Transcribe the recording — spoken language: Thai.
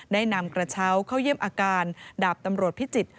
ได้นำกระเช้าเข้าเยี่ยมอาการดาบตำรวจพิจิตร